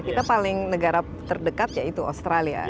kita paling negara terdekat yaitu australia